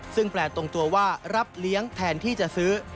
ซึ่งแปลตรงตัวว่ารับเลี้ยงแทนที่จะซื้อ